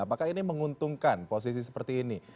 apakah ini menguntungkan posisi seperti ini